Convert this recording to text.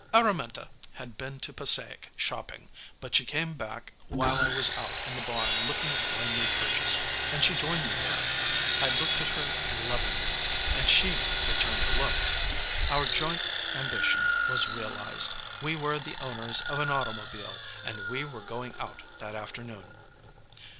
Araminta had been to Passaic shopping, but she came back while I was out in the barn looking at my new purchase, and she joined me there. I looked at her lovingly, and she returned the look. Our joint ambition was realized; we were the owners of an automobile, and we were going out that afternoon.